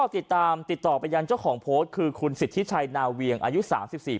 ติดต่อติดต่อไปยังเจ้าของโพสต์คือคุณสิทธิชัยนาเวียงอายุ๓๔ปี